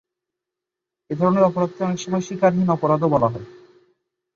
এধরনের অপরাধকে অনেক সময় শিকারহীন অপরাধও বলা হয়।